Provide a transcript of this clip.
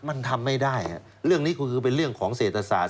มันทำไม่ได้เรื่องนี้ก็คือเป็นเรื่องของเศรษฐศาสต